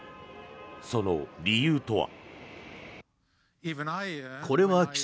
その理由とは。